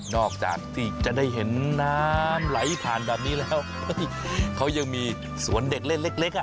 ที่จะได้เห็นน้ำไหลผ่านแบบนี้แล้วเขายังมีสวนเด็กเล่นเล็กอ่ะ